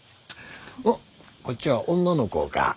おっこっちは女の子か。